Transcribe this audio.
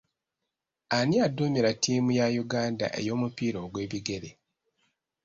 Ani aduumira ttiimu ya Uganda ey'omupiira ogw'ebigere?